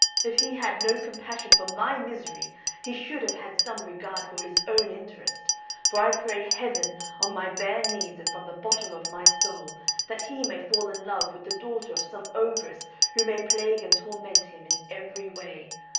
If he had no compassion for my misery, he should have had some regard for his own interest; for I pray Heaven, on my bare knees and from the bottom of my soul, that he may fall in love with the daughter of some ogress, who may plague and torment him in every way.